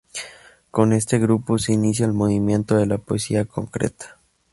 Con este grupo se inicia el movimiento de la poesía concreta.